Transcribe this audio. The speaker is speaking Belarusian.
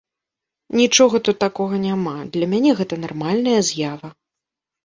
Нічога тут такога няма, для мяне гэта нармальная з'ява.